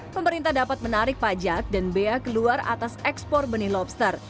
pemerintah dapat menarik pajak dan bea keluar atas ekspor benih lobster